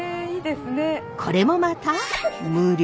これもまた無料。